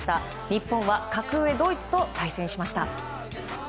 日本は格上ドイツと対戦しました。